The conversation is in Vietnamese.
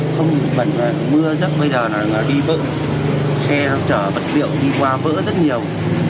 không bẩn là mưa rất bây giờ là đi bỡ xe chở vật liệu đi qua bỡ rất nhiều